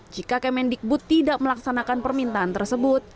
jika kemendikbud tidak melaksanakan permintaan tersebut